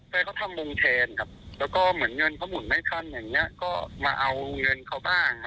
ไปเขาทำลงเทรนครับแล้วก็เหมือนเงินเขามุ่นไม่ทันอย่างนี้ก็มาเอาเงินเขาบ้างมาเอาทองเขาไปอย่างนี้บ้างหรือเปล่าอันนี้ผมก็ไม่แน่ใจนะ